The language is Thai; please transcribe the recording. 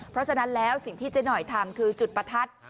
เพราะฉะนั้นแล้วสิ่งที่เจ๊หน่อยทำคือจุดประทัด